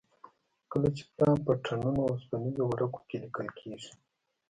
کله چې پلان په ټنونو اوسپنیزو ورقو کې لیکل کېږي.